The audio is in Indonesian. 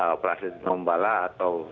operasi nombala atau